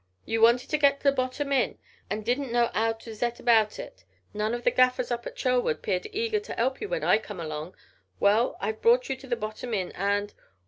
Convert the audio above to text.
You wanted to get to th' Bottom Inn and didn't know 'ow to zet about it: none o' the gaffers up to Chelwood 'peared eager to 'elp you when I come along. Well, I've brought you to th' Bottom Inn and....